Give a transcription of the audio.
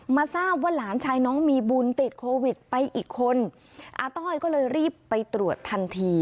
มาทราบว่าหลานชายน้องมีบุญติดโควิดไปอีกคนอาต้อยก็เลยรีบไปตรวจทันที